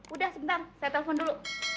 udah sebentar saya telpon dulu